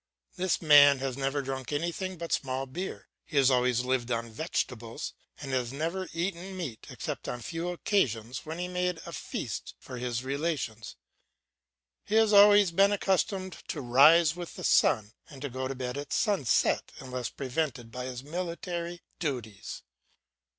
This man has never drunk anything but small beer; he has always lived on vegetables, and has never eaten meat except on few occasions when he made a feast for his relations. He has always been accustomed to rise with the sun and go to bed at sunset unless prevented by his military duties.